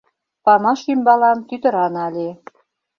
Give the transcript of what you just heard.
Памаш ӱмбалан тӱтыра нале